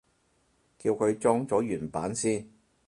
叫佢裝咗原版先